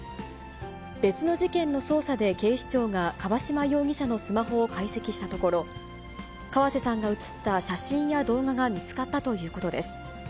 別の事件の捜査で警視庁が樺島容疑者のスマホを解析したところ、河瀬さんが写った写真や動画が見つかったということです。